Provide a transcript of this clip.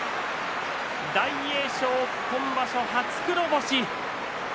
大栄翔、今場所、初黒星。